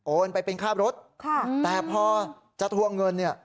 ๘๐๐๐โอนไปเป็นค่าบรถแต่พอจะทวงเงินเนี่ย